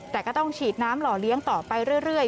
แต่ก็ต้องฉีดน้ำหล่อเลี้ยงต่อไปเรื่อย